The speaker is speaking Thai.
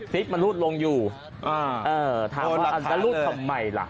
ซิปมันรูดลงอยู่อ่าเออถามว่าแล้วรูดทำไมล่ะ